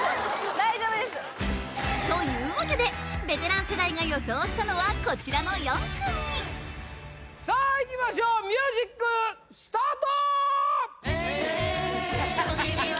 大丈夫ですというわけでベテラン世代が予想したのはこちらの４組さあいきましょうミュージックスタート！